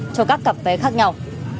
cho các cặp vé khác nhau